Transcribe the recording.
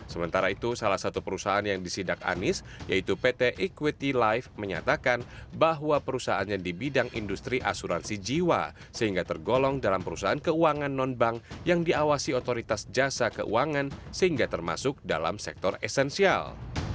sementara itu salah satu perusahaan yang disidak anies yaitu pt equity life menyatakan bahwa perusahaannya di bidang industri asuransi jiwa sehingga tergolong dalam perusahaan keuangan non bank yang diawasi otoritas jasa keuangan sehingga termasuk dalam sektor esensial